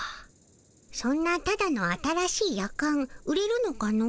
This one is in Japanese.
そんなただの新しいヤカン売れるのかの？